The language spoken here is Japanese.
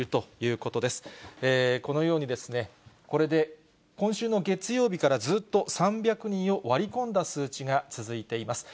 このように、これで今週の月曜日からずっと３００人を割り込んだ数値が続いています。